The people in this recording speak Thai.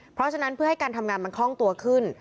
เพราะฉะนั้นเพื่อให้การทำงานมันคล่องตัวขึ้น